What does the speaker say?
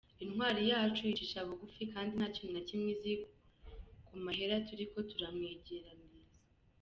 Intwari yacu yicisha bugufi kandi nta kintu na kimwe izi ku mahera turiko turamwegeraniriza.